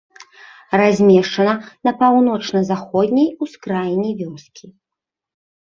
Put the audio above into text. Размешчана на паўночна-заходняй ускраіне вёскі.